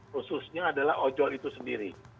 khususnya adalah ojol itu sendiri